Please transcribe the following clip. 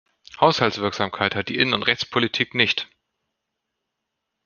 Haushaltswirksamkeit hat die Innen- und Rechtspolitik nicht.